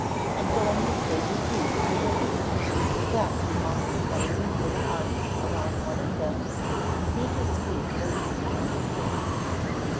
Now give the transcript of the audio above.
"I'm going to stay with you, I am." With that he wound his wiry little arms around one of Ben's, and beat his feet nervously on the floor.